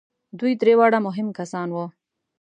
دوی درې واړه مهم کسان وو.